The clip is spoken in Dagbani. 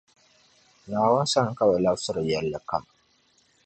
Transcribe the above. Naawuni sani ka bɛ labsiri yεllikam.